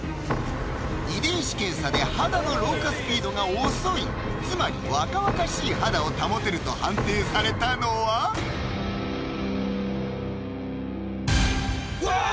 遺伝子検査で肌の老化スピードが遅いつまり若々しい肌を保てると判定されたのはうわ！